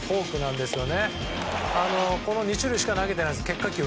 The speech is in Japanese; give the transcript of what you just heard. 変化球は、この２種類しか投げていないんです。